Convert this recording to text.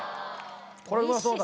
これうまそうだ。